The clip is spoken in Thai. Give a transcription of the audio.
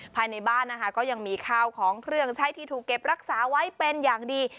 ภายในบ้านนะคะก็ยังมีข้าวของเครื่องใช้ที่ถูกเก็บรักษาไว้เป็นอย่างดี